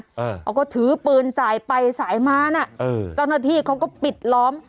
เขาก็ถือปืนสายไปสายมาน่ะเออเจ้าหน้าที่เขาก็ปิดล้อม